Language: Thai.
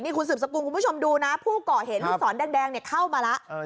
นี่คุณสืบสกุลคุณผู้ชมดูนะผู้เกาะเห็นฤทธิ์สอนแดงเข้ามาแล้ว